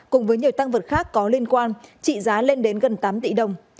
cùng với nhiều tăng vật khác có liên quan trị giá lên đến gần tám tỷ đồng